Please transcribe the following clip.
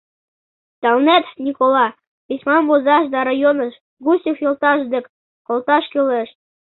Тыланет, Никола, письмам возаш да районыш, Гусев йолташ дек колташ кӱлеш.